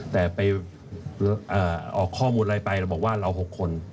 แต่ไปออกข้อมูลอะไรไปเราบอกว่าเรา๖คน